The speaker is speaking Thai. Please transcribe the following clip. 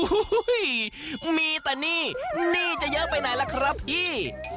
โอ้โหมีแต่หนี้หนี้จะเยอะไปไหนล่ะครับพี่